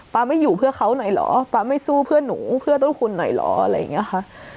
ไม่อยู่เพื่อเขาหน่อยเหรอป๊าไม่สู้เพื่อนหนูเพื่อต้นคุณหน่อยเหรออะไรอย่างนี้ค่ะ